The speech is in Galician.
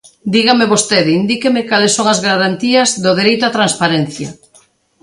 Dígame vostede, indíqueme, cales son as garantías do dereito á transparencia.